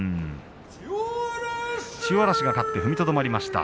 千代嵐が勝って踏みとどまりました。